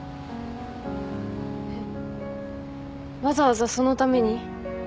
えっわざわざそのために？